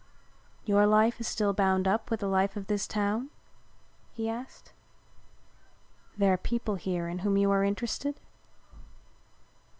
"Your life is still bound up with the life of this town?" he asked. "There are people here in whom you are interested?"